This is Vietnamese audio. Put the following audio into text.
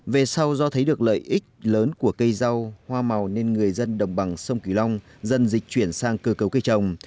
về sau do thấy được lợi ích lớn của cây rau hoa màu nên người dân đồng bằng sông kiều long dần dịch chuyển sang cơ cấu cây trồng